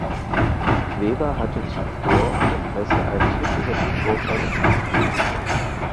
Weber hatte zuvor der Presse einen Tipp über den Vorfall zugespielt.